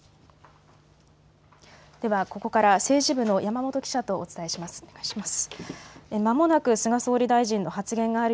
ではここから政治部の山本記者とお伝えします。